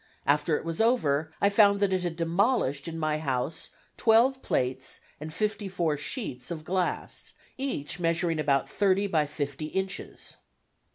After it was over I found that it had demolished in my house twelve plates and fifty four sheets of glass, each measuring about thirty by fifty inches.